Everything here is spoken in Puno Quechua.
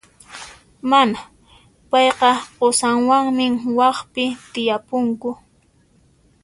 Mana, payqa qusanwanmi waqpi tiyapunku.